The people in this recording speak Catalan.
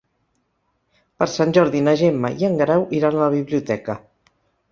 Per Sant Jordi na Gemma i en Guerau iran a la biblioteca.